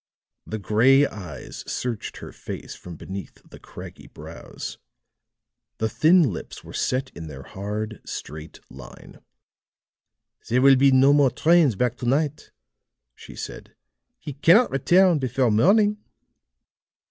The gray eyes searched her face from beneath the craggy brows; the thin lips were set in their hard, straight line. "There will be no more trains back to night," she said. "He cannot return before morning."